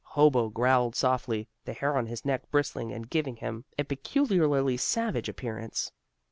Hobo growled softly, the hair on his neck bristling and giving him a peculiarly savage appearance.